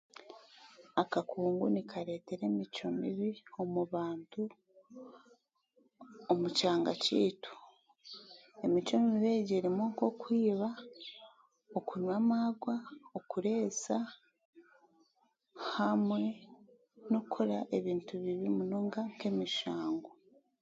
Akakungu nikaretera emicwe mibi omu bantu omu kyanga kyeitu. Emicwe mibi egi erimu nk'okwiba, okunywa amaarwa, okureesa hamwe n'okukora ebintu bibi munonga nk'emishango.